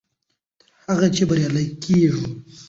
تر هغه چې بریالي کېږو.